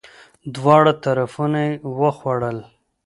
دواړه طرفونه یی وخوړل!